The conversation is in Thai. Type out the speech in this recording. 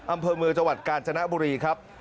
อำเภอเมืองจังหวัดกาญจนบุรีครับ